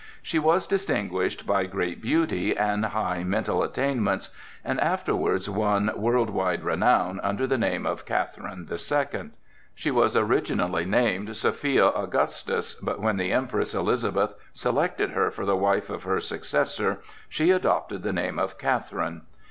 She was distinguished by great beauty and high mental attainments, and afterwards won world wide renown under the name of Catherine the Second. She was originally named Sophia Augusta, but when the Empress Elizabeth selected her for the wife of her successor, she adopted the name of Catherine.